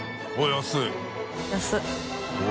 安い。